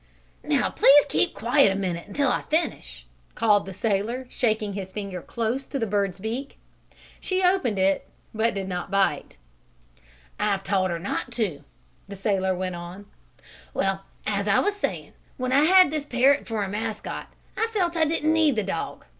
"Now please keep quiet a minute until I finish," called the sailor, shaking his finger close to the bird's beak. She opened it but did not bite. "I've taught her not to," the sailor went on. "Well, as I was saying, when I had this parrot for a mascot I felt I didn't need the dog.